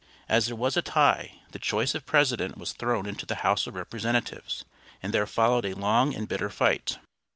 As there was a tie, the choice of President was thrown into the House of Representatives, and there followed a long and bitter fight.